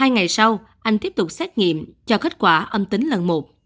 hai ngày sau anh tiếp tục xét nghiệm cho kết quả âm tính lần một